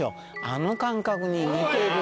あの感覚に似てる。